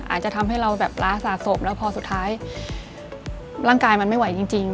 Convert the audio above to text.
อาจจะทำให้เราแบบล้าสะสมแล้วพอสุดท้ายร่างกายมันไม่ไหวจริง